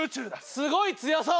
すごい強そう。